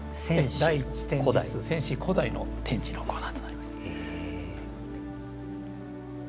第１展示室先史・古代の展示のコーナーとなります。